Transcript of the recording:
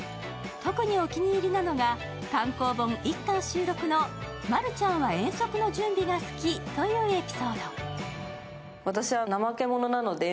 特にお気に入りなのが、単行本１巻収録の「まるちゃんは遠足の準備が好き」というエピソード。